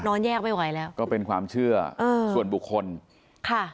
แยกไม่ไหวแล้วก็เป็นความเชื่ออ่าส่วนบุคคลค่ะ